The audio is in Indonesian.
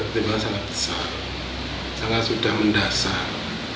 berjalan sangat besar sangat sudah mendalam